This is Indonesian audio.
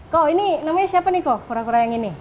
kok ini namanya siapa nih kok kura kura yang ini